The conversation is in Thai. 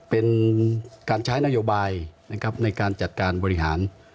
เป็นการใช้นโยบายนะครับในการจัดการบริหาร